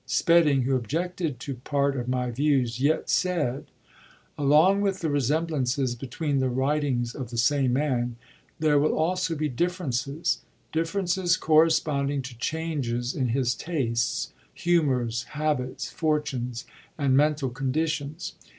Spedding, who objected to part of my views, yet said: — "Along with the resemblances between the writ ings of the same man, there will also be differences ; differences corresponding to changes in his tastes, humours, habits, fortunes, and mental conditions.